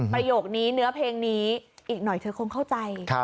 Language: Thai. ประโยคนี้เนื้อเพลงนี้อีกหน่อยเธอคงเข้าใจ